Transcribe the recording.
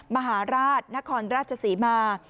มหาราชนครราชศรีมา